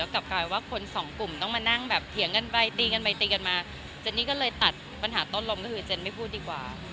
ก็อยากให้เป็นประเด็นหนึ่ง